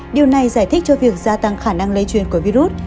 điều này giải thích cho việc gia tăng khả năng lây truyền của virus